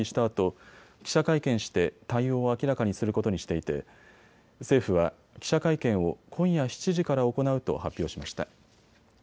あと記者会見して対応を明らかにすることにしていて政府は記者会見を今夜７時から行うと発表しました。